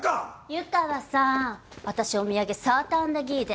・湯川さん私お土産サーターアンダギーで。